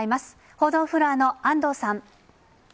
報道フロアの安藤さん。